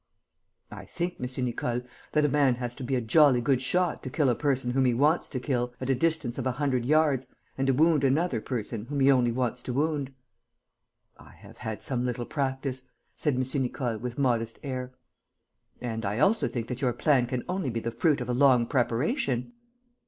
"I think, M. Nicole, that a man has to be a jolly good shot to kill a person whom he wants to kill, at a distance of a hundred yards, and to wound another person whom he only wants to wound." "I have had some little practice," said M. Nicole, with modest air. "And I also think that your plan can only be the fruit of a long preparation."